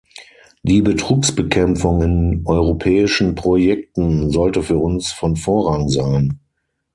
Die Betrugsbekämpfung in europäischen Projekten sollte für uns von Vorrang sein.